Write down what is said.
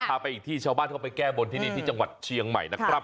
ไปอีกที่ชาวบ้านเข้าไปแก้บนที่นี่ที่จังหวัดเชียงใหม่นะครับ